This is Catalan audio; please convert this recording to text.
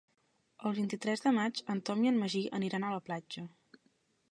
El vint-i-tres de maig en Tom i en Magí aniran a la platja.